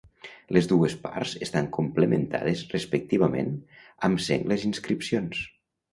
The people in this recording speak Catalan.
Les dues parts estan complementades respectivament amb sengles inscripcions.